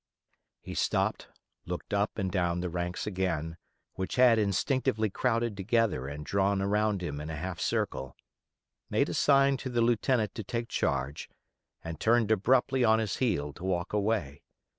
He stopped, looked up and down the ranks again, which had instinctively crowded together and drawn around him in a half circle; made a sign to the lieutenant to take charge, and turned abruptly on his heel to walk away.